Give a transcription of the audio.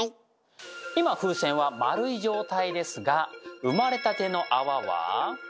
今風船は丸い状態ですが生まれたての泡は。